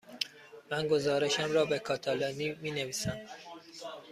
من گزارشم را به کاتالانی می نویسم.